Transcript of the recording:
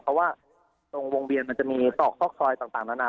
เพราะว่าตรงวงเวียนมันจะมีตอกซอกซอยต่างนานา